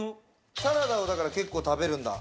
サラダを結構食べるんだ。